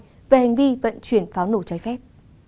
về hành vi vận chuyển pháo nổ trái phép